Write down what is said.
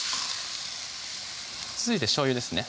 続いてしょうゆですね